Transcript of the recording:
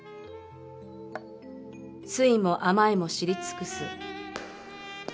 酸いも甘いも知り尽くす。